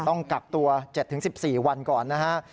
ต้องกักตัว๗๑๔วันก่อนนะฮะ